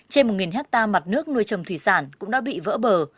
trên một hecta mặt nước nuôi trồng thủy sản cũng đã bị vỡ bờ